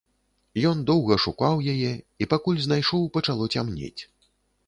Ён доўга шукаў яе, і пакуль знайшоў, пачало цямнець.